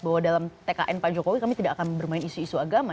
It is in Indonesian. bahwa dalam tkn pak jokowi kami tidak akan bermain isu isu agama